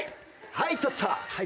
はい取った。